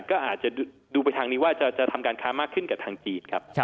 ก็อาจจะดูไปทางนี้ว่าจะทำการค้ามากขึ้นกับทางจีนครับ